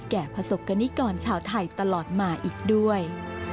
ประสบกรณิกรชาวไทยตลอดมาอีกด้วย